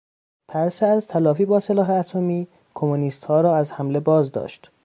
ترس از تلافی با سلاح اتمی کمونیستها را از حمله بازداشت.